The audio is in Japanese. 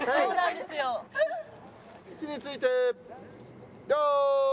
位置について用意。